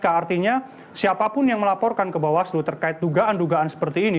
artinya siapapun yang melaporkan ke bawaslu terkait dugaan dugaan seperti ini